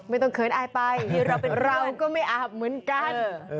เขินอายไปเราก็ไม่อาบเหมือนกัน